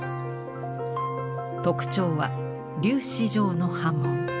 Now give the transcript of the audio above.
特徴は粒子状の刃文。